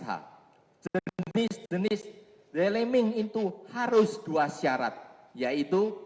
jika jenis jenis dileming itu harus dua syarat yaitu